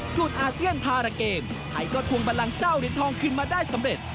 ส่วนอาเซียนพาราเกมไทยก็ทวงบันลังเจ้าเหรียญทองขึ้นมาได้สำเร็จ